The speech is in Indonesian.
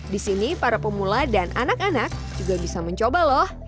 di sini para pemula dan anak anak juga bisa mencoba loh